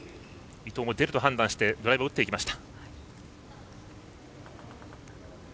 伊藤も出ると判断してドライブを打っていきました。